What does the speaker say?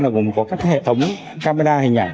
là gồm có các hệ thống camera hình ảnh